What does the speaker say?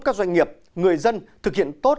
các doanh nghiệp người dân thực hiện tốt